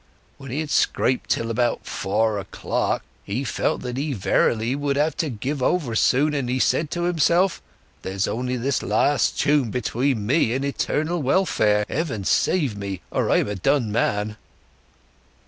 When he had scraped till about four o'clock he felt that he verily would have to give over soon, and he said to himself, 'There's only this last tune between me and eternal welfare! Heaven save me, or I'm a done man.